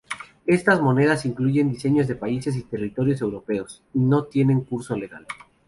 Estas monedas incluyen diseños de países y territorios europeos, y no tienen curso legal.